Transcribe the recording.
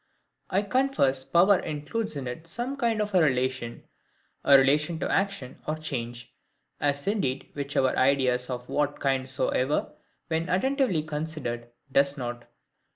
I confess power includes in it some kind of RELATION (a relation to action or change,) as indeed which of our ideas of what kind soever, when attentively considered, does not.